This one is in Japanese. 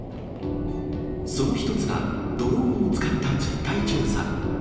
その一つが、ドローンを使った実態調査。